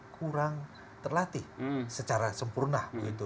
kurang terlatih secara sempurna